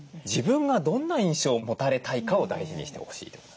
自分がどんな印象を持たれたいかを大事にしてほしいと。